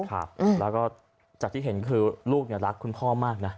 แล้วก็จากที่เห็นคือลูกรักคุณพ่อมากนะ